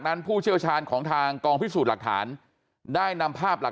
ผู้เชี่ยวชาญของทางกองพิสูจน์หลักฐานได้นำภาพหลัก